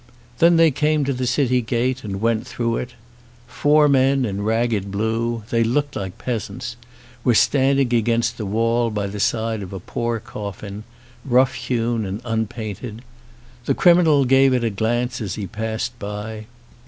Then they came to the city gate and went through it. Four men in ragged blue — they looked like peasants — were standing against the wall by the side of a poor coffin, rough hewn and unpainted. The criminal gave it a glance as he passed by.